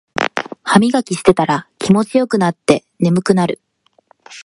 ハミガキしてたら気持ちよくなって眠くなる